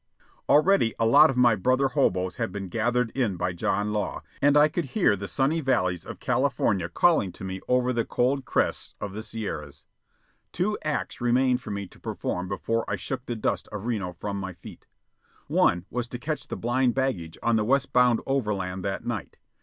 Already a lot of my brother hoboes had been gathered in by John Law, and I could hear the sunny valleys of California calling to me over the cold crests of the Sierras. Two acts remained for me to perform before I shook the dust of Reno from my feet. One was to catch the blind baggage on the westbound overland that night.